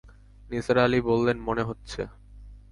নিসার আলি বললেন, মনে হচ্ছে।